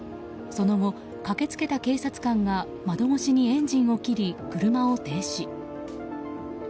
その後、駆け付けた警察官が窓越しにエンジンを切り車を停止。